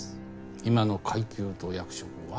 今の階級と役職は？